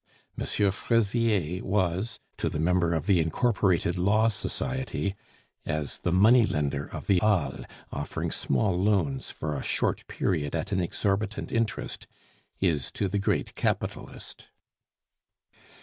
M. Fraisier was to the member of the Incorporated Law Society as the money lender of the Halles, offering small loans for a short period at an exorbitant interest, is to the great capitalist.